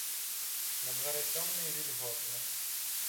На дварэ цёмна і вільготна.